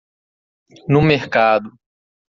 No mercado